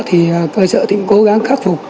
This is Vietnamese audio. thì cơ sở cũng cố gắng khắc phục